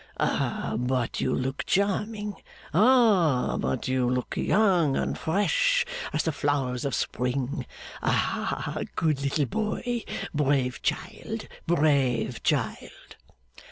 Ah, but you look charming! Ah, but you look young and fresh as the flowers of Spring! Ah, good little boy! Brave child, brave child!